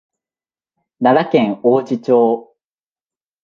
奈良県王寺町